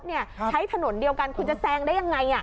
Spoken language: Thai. ใช้ถนนเดียวกันคุณจะแซงได้ยังไง